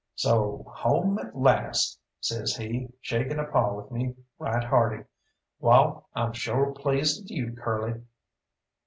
"So, home at last," says he, shaking a paw with me right hearty. "Wall, I'm sure pleased at you, Curly."